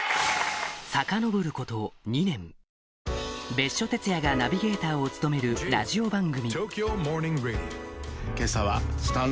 別所哲也がナビゲーターを務めるラジオ番組